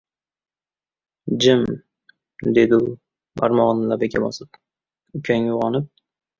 — Jim, — dedi u barmog‘ini labiga bosib. — Ukang uyg‘onib